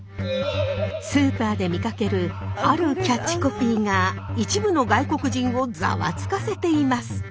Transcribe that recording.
スーパーで見かけるあるキャッチコピーが一部の外国人をざわつかせています。